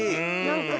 何？